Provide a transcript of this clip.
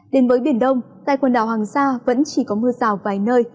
đến với biển đông tại quần đảo hoàng sa vẫn chỉ có mưa rào vài nơi